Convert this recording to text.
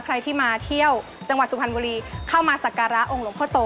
ใครที่มาเที่ยวจังหวัดสุพรรณบุรีเข้ามาสักการะองค์หลวงพ่อโต